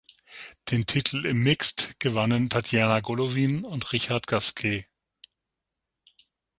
Den Titel im Mixed gewannen Tatiana Golovin und Richard Gasquet.